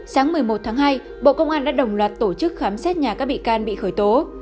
sáng một mươi một tháng hai bộ công an đã đồng loạt tổ chức khám xét nhà các bị can bị khởi tố